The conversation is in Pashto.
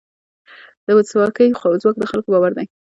د ولسواکۍ ځواک د خلکو باور دی